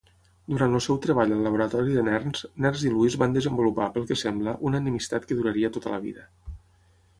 Durant el seu treball al laboratori de Nernst, Nernst i Lewis van desenvolupar, pel que sembla, una enemistat que duraria tota la vida.